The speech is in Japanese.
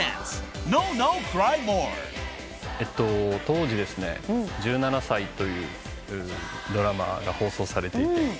当時『１７才』というドラマが放送されていて。